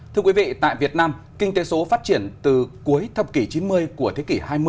thưa quý vị tại việt nam kinh tế số phát triển từ cuối thập kỷ chín mươi của thế kỷ hai mươi